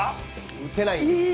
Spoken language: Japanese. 打てないんです。